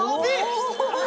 お！